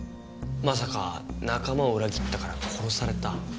まさか仲間を裏切ったから殺された。